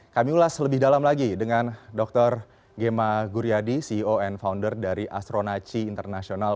kami ulas lebih dalam lagi dengan dr gemma guryadi ceo and founder dari astronaci international